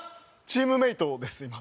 チームメイトです今。